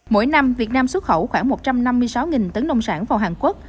mỗi năm việt nam xuất khẩu khoảng một trăm năm mươi sáu tấn nông sản vào hàn quốc